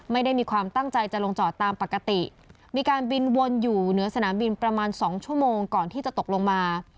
ไม่ได้มีความตั้งใจจะลงจอดตามปกติมีการบินวนอยู่เหนือสนามบินประมาณสองชั่วโมงก่อนที่จะตกลงมา